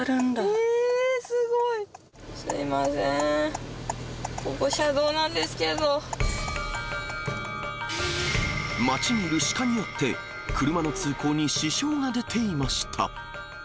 えー、すごい。すみません、ここ、車道なん街にいるシカによって、車の通行に支障が出ていました。